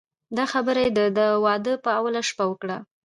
دا خبره یې د واده په اوله شپه وکړه.